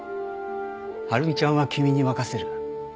晴美ちゃんは君に任せる。